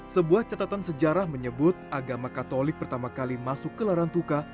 sebuah catatan sejarah menyebut agama katolik pertama kali masuk ke larantuka